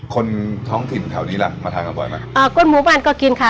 คนท้องถิ่นแถวนี้ล่ะมาทานกันบ่อยไหมอ่าคนหมู่บ้านก็กินค่ะ